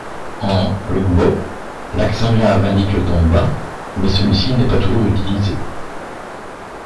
En Igbo, l’accent grave indique le ton bas, mais celui-ci n’est pas toujours utilisé.